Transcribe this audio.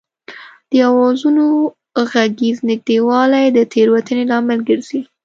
د آوازونو غږیز نږدېوالی د تېروتنې لامل ګرځي